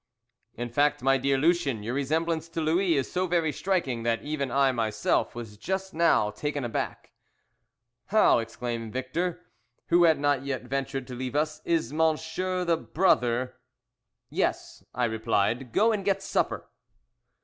"In fact, my dear Lucien, your resemblance to Louis is so very striking that even I myself was just now taken aback." "How," exclaimed Victor, who had not yet ventured to leave us. "Is monsieur the brother " "Yes," I replied, "go and get supper."